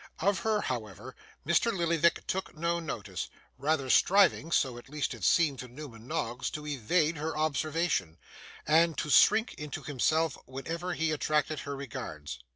Of her, however, Mr. Lillyvick took no notice: rather striving (so, at least, it seemed to Newman Noggs) to evade her observation, and to shrink into himself whenever he attracted her regards.